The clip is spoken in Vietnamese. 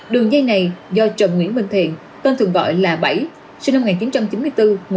đường dây này do trần nguyễn minh thiện tên thường gọi là bảy sinh năm một nghìn chín trăm chín mươi bốn